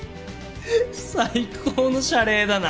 最高の謝礼だな！